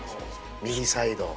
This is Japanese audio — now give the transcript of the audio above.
右サイド。